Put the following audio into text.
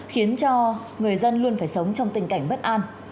khiến cho người dân luôn phải sống trong tình cảnh bất an